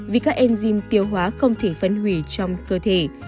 vì các enzym tiêu hóa không thể phân hủy trong cơ thể